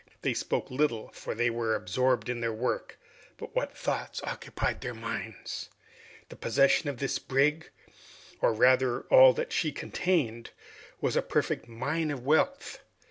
They spoke little, for they were absorbed in their work, but what thoughts occupied their minds! The possession of this brig, or rather all that she contained, was a perfect mine of wealth.